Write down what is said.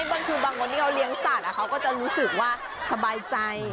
บางทีบางคนที่เขาเลี้ยงสัตว์เขาก็จะรู้สึกว่าสบายใจ